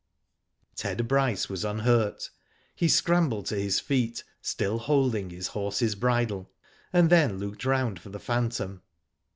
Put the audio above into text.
Ted Bryce was unhurt. He scrambled to his feet, still holding his horse's bridle, and then looked round for the phantom.